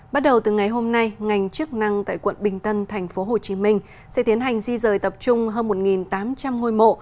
bắt đầu từ ngày hôm nay ngành chức năng tại quận bình tân tp hcm sẽ tiến hành di rời tập trung hơn một tám trăm linh ngôi mộ